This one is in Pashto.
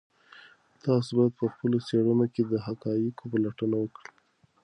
تاسو باید په خپلو څېړنو کې د حقایقو پلټنه وکړئ.